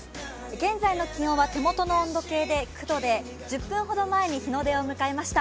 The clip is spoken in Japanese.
現在の気温は手元の温度計で９度で１０分ほど前に日の出を迎えました。